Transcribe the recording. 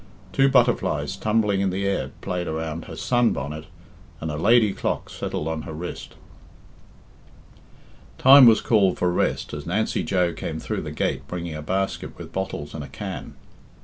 Two butterflies tumbling in the air played around her sun bonnet and a lady clock settled on her wrist. Time was called for rest as Nancy Joe came through the gate bringing a basket with bottles and a can.